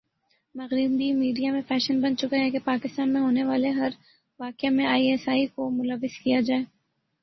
مغربی میڈیا میں فیشن بن چکا ہے کہ پاکستان میں ہونے والےہر واقعہ میں آئی ایس آئی کو ملوث کیا جاۓ